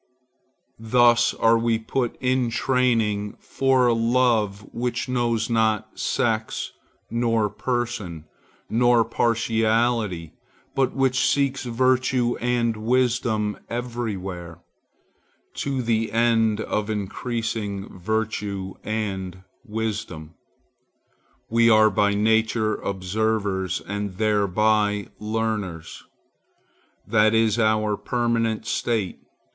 Thus are we put in training for a love which knows not sex, nor person, nor partiality, but which seeks virtue and wisdom everywhere, to the end of increasing virtue and wisdom. We are by nature observers, and thereby learners. That is our permanent state.